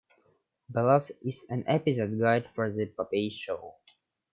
Below is an episode guide for "The Popeye Show".